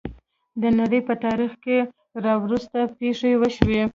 د نړۍ په تاریخ کې راوروسته پېښې وشوې.